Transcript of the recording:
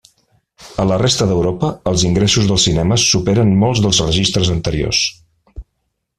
A la resta d'Europa, els ingressos dels cinemes superen molts dels registres anteriors.